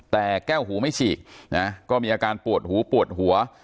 แต่แก้วหูไม่ฉีกนะก็มีอาการปวดหูปวดหัว